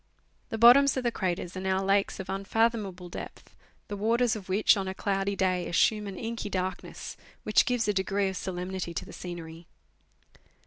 The bottoms of the craters are now lakes of unfathomable depth, the waters of which, on a cloudy day, assume an inky dark ness, which gives a degree of solemnity to the scenery.